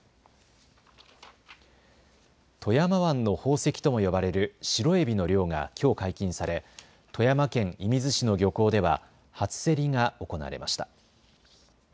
富山湾の宝石とも呼ばれるシロエビの漁がきょう解禁され富山県射水市の漁港では初競りが行われました。